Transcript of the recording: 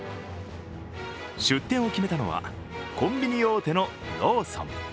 出店を決めたのは、コンビニ大手のローソン。